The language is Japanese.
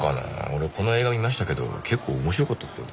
俺この映画見ましたけど結構面白かったっすよ。